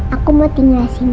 aku mau tinggal sini